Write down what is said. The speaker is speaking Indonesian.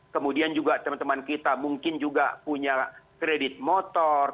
kemudian juga teman teman kita mungkin juga punya kredit motor